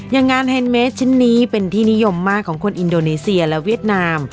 งานเฮนดเมสชิ้นนี้เป็นที่นิยมมากของคนอินโดนีเซียและเวียดนาม